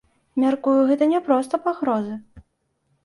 Мяркую, гэта не проста пагрозы.